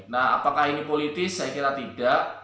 nah apakah ini politis saya kira tidak